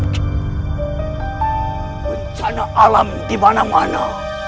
bencana alam di mana mana